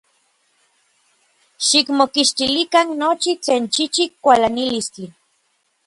Xikmokixtilikan nochi tlen chichik kualanalistli.